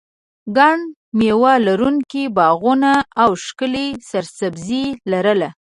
ګڼ مېوه لرونکي باغونه او ښکلې سرسبزي یې لرله.